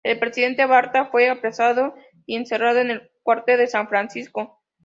El presidente Balta fue apresado y encerrado en el cuartel de San Francisco.